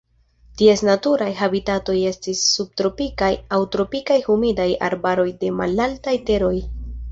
Ties naturaj habitatoj estas subtropikaj aŭ tropikaj humidaj arbaroj de malaltaj teroj.